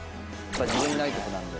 自分にないことなんで。